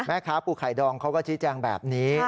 ปูไข่ดองเขาก็ชี้แจงแบบนี้